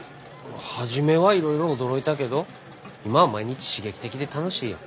初めはいろいろ驚いたけど今は毎日刺激的で楽しいよ。